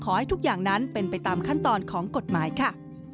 ทุกอย่างนั้นเป็นไปตามขั้นตอนของกฎหมายค่ะ